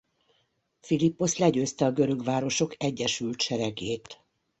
Philipposz legyőzte a görög városok egyesült seregét.